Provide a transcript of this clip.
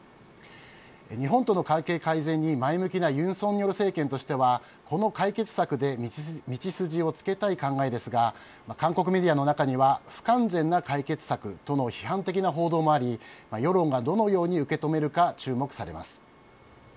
日本との関係改善に前向きな尹錫悦政権としてはこの解決策で道筋をつけたい考えですが韓国メディアの中には不完全な解決策との批判的な報道もあり世論がどのように受け止めるか注目されます。